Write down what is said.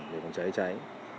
để phòng cháy cháy